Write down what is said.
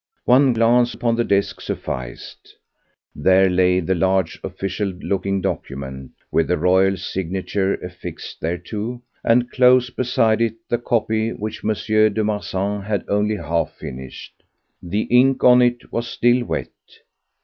One glance upon the desk sufficed: there lay the large official looking document, with the royal signature affixed thereto, and close beside it the copy which M. de Marsan had only half finished—the ink on it was still wet.